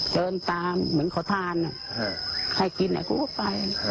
เดินตามเหมือนเขาทานใครกินกูก็ไป